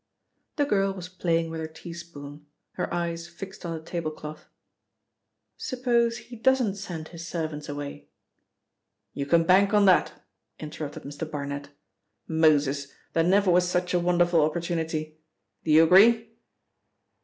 The girl was playing with her teaspoon, her eyes fixed on the tablecloth. "Suppose he doesn't send his servants away?" "You can bank on that," interrupted Mr. Barnet. "Moses! There never was such a wonderful opportunity! Do you agree?"